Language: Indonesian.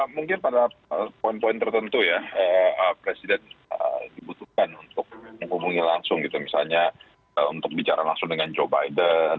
mungkin pada poin poin tertentu ya presiden dibutuhkan untuk menghubungi langsung gitu misalnya untuk bicara langsung dengan joe biden